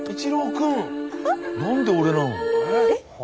何で俺なの？